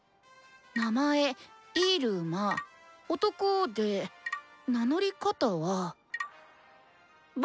名前イルマ男で名乗り方は「僕」。